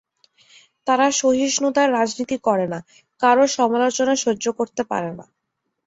তারা সহিষ্ণুতার রাজনীতি করে না, কারও সমালোচনা সহ্য করতে পারে না।